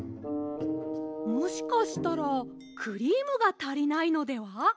もしかしたらクリームがたりないのでは？